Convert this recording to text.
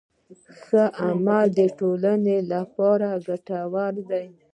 ښه عمل د ټولنې لپاره ګټور دی.